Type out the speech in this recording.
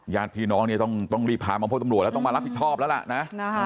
ญาติพี่น้องเนี่ยต้องรีบพามาพบตำรวจแล้วต้องมารับผิดชอบแล้วล่ะนะ